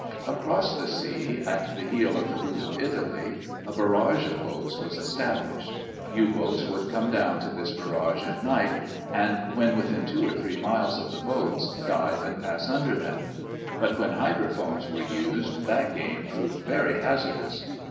Across the sea, at the heel of the boot of Italy, a barrage of boats was established. U boats would come down to this barrage at night and, when within two or three miles of the boats, dive and pass under them. But when hydrophones were used that game proved very hazardous.